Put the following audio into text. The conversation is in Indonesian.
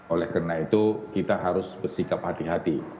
oleh karena itu kita harus bersikap hati hati